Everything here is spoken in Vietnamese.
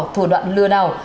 thủ đoạn lừa nào